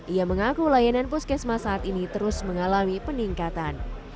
ia mengaku layanan puskesmas saat ini terus mengalami peningkatan